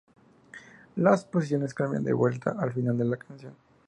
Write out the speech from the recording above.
Las posiciones cambian de vuelta al final de la canción.